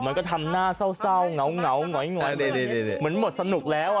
มันก็ทำหน้าเศร้าเหงาหงอยเหมือนหมดสนุกแล้ว